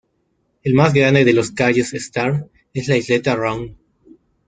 El más grande de los Cayos Star es la Isleta Round.